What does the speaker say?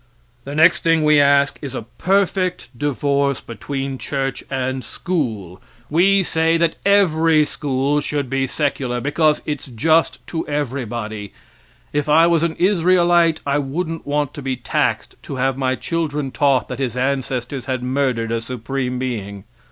The next thing we ask is a perfect divorce between church and school. We say that every school should be secular, because its just to everybody. If I was an Israelite I wouldn't want to be taxed to have my children taught that his ancestors had murdered a supreme being.